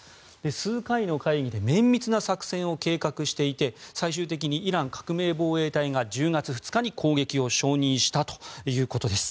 数回の会議で綿密な作戦を計画していて最終的にイラン革命防衛隊が１０月２日に攻撃を承認したということです。